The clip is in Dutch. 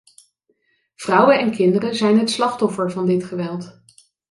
Vrouwen en kinderen zijn het slachtoffer van dit geweld.